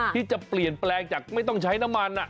ที่จะเปลี่ยนแปลงจากไม่ต้องใช้น้ำมัน